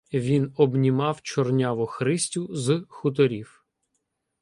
Він обнімав чорняву Христю з хуторів.